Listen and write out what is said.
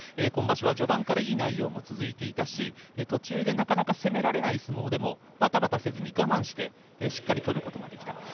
今場所は序盤からいい内容も続いていたし途中でなかなか攻められない相撲でも、ばたばたせずに我慢してしっかり取ることができた。